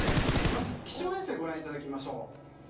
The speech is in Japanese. まず気象衛星ご覧いただきましょう。